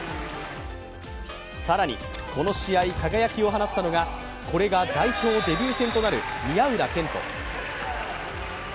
更に、この試合、輝きを放ったのはこれが代表デビュー戦となる宮浦健人。